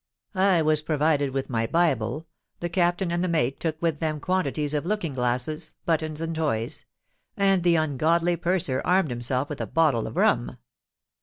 I was provided with my Bible; the captain and the mate took with them quantities of looking glasses, buttons, and toys; and the ungodly purser armed himself with a bottle of rum."